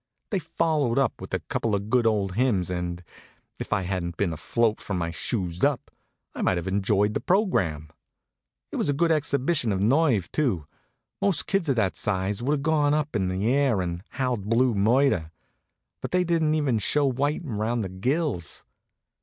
They followed up with a couple of good old hymns and, if I hadn't been afloat from my shoes up, I might have enjoyed the program. It was a good exhibition of nerve, too. Most kids of that size would have gone up in the air and howled blue murder. But they didn't even show white around the gills.